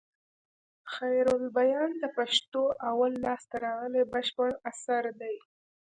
خيرالبيان د پښتو اول لاسته راغلى بشپړ اثر دئ.